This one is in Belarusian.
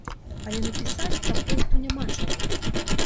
Але напісаць папросту няма чаго!